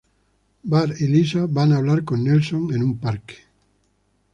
Bart y Lisa van a hablar con Nelson en un parque.